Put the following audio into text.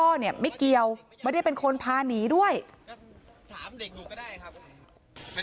คำให้การในกอล์ฟนี่คือคำให้การในกอล์ฟนี่คือ